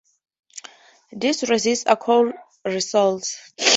These resins are called resoles.